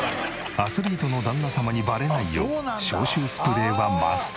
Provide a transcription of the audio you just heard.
アスリートの旦那様にバレないよう消臭スプレーはマスト。